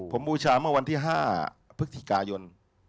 ผมบูชาเมื่อวันที่๕พฤศจิกายน